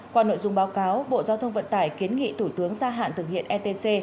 qua nội dung báo cáo bộ giao thông vận tải kiến nghị thủ tướng gia hạn thực hiện etc